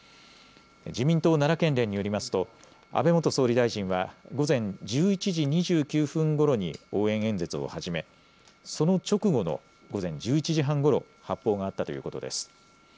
自民党奈良県連によりますと安倍元総理大臣は午前１１時２９分ごろに応援演説を始めその直後の午前１１時半ごろ、発砲があったということです。